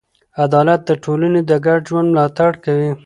عدالت د ټولنې د ګډ ژوند ملاتړ کوي.